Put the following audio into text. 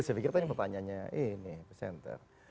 saya pikir tadi pertanyaannya ini presenter